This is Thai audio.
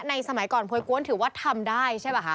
สมัยก่อนโพยกวนถือว่าทำได้ใช่ป่ะคะ